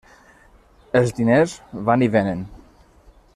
Els diners van i vénen.